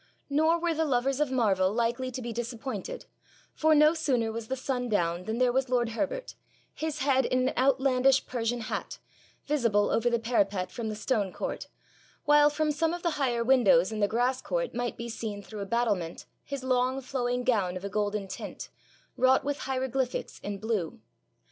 Nor were the lovers of marvel likely to be disappointed, for no sooner was the sun down than there was lord Herbert, his head in an outlandish Persian hat, visible over the parapet from the stone court, while from some of the higher windows in the grass court might be seen through a battlement his long flowing gown of a golden tint, wrought with hieroglyphics in blue.